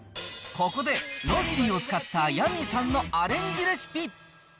ここでロスティを使ったヤミーさんのアレンジレシピ。